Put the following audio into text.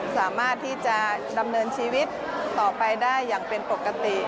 สามารถที่จะดำเนินชีวิตต่อไปได้อย่างเป็นปกติ